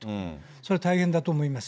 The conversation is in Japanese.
それは大変だと思います。